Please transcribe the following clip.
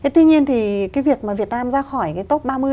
tuy nhiên thì cái việc mà việt nam ra khỏi cái top ba mươi